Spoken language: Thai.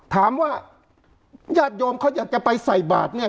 ถามว่าญาติโยมเขาอยากจะไปใส่บาทเนี่ย